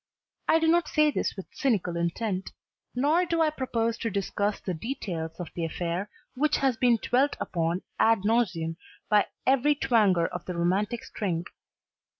I do not say this with cynical intent. Nor do I propose to discuss the details of the affair which has been dwelt upon ad nauseam by every twanger of the romantic string.